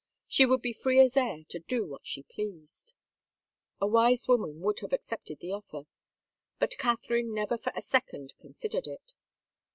She would be free as air to do what she pleased. A wise woman would have accepted the offer, but Catherine never for a second considered it.